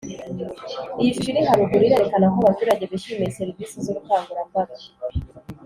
iyi shusho iri haruguru irerekana ko abaturage bishimiye serivisi z ubukangurambaga